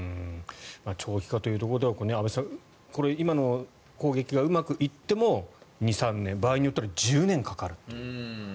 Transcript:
長期化というところでは安部さん、今の攻撃がうまくいっても２３年場合によっては１０年かかる。